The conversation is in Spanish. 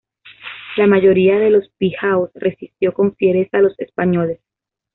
La mayoría de los Pijaos resistió con fiereza a los españoles.